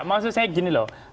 maksud saya begini loh